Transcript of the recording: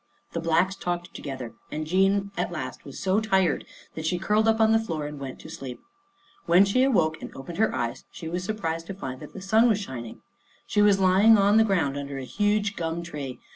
The Blacks talked together, and Jean at last was so tired that she curled up on the floor and went to sleep. When she awoke and opened her eyes she was surprised to find that the sun was shi ning. She was lying on the ground under a huge gum tree.